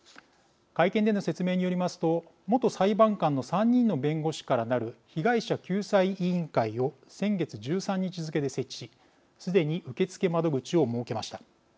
会見での説明によりますと元裁判官の３人の弁護士からなる被害者救済委員会を先月１３日付けで設置しすでに受付窓口を設けました。